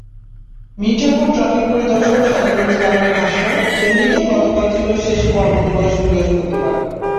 Mirzapur traffic পরিদর্শক সাজেদুল ইসলামের ভাষ্য, এমনিতেই গতকাল ছিল শেষ কর্মদিবস বৃহস্পতিবার।